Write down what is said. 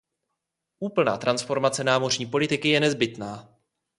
Úplná transformace námořní politiky je nezbytná.